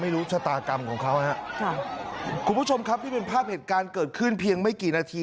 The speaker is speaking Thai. คุณผู้ชมครับที่เป็นภาพเหตุการณ์เกิดขึ้นเพียงไม่กี่นาที